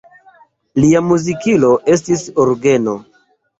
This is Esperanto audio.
Lia muzikilo estis orgeno.